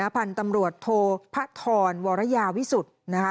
พันธุ์ตำรวจโทพะทรวรยาวิสุทธิ์นะคะ